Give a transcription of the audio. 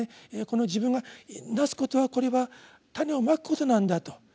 この自分がなすことはこれは種を蒔くことなんだと。